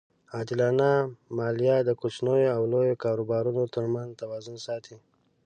عادلانه مالیه د کوچنیو او لویو کاروبارونو ترمنځ توازن ساتي.